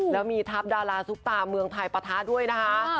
และมีทับดาราสุกปลาเมืองไพรปาทาสด้วยนะคะ